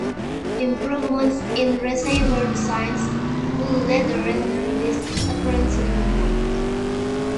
Improvements in receiver designs would later render this apparently moot.